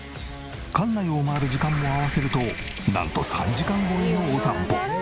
館内を回る時間も合わせるとなんと３時間超えのお散歩。